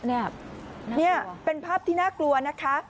นี่เป็นภาพที่น่ากลัวนะคะ